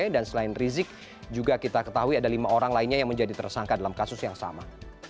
dan selain rizik juga kita ketahui ada lima orang lainnya yang menjadi tersangka dalam kasus yang sama